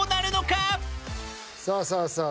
さあさあさあ